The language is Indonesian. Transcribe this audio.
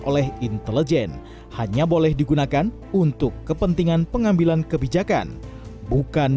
oleh intelijen hanya boleh digunakan untuk kepentingan pengambilan kebijakan bukan